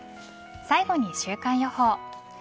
最後に週間予報。